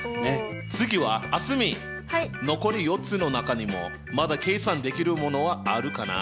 次は蒼澄残り４つの中にもまだ計算できるものはあるかな？